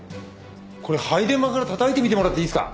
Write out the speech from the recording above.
これ配電盤からたたいてみてもらっていいですか？